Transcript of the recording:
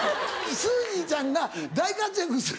スージーちゃんが大活躍する。